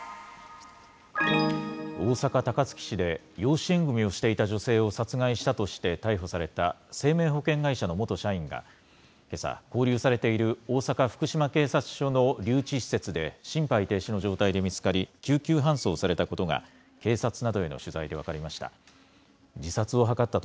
大阪・高槻市で、養子縁組みをしていた女性を殺害したとして逮捕された生命保険会社の元社員が、けさ、勾留されている大阪・福島警察署の留置施設で心肺停止の状態で見つかり、救急搬送されたことが、警察などへの取材で分かりました。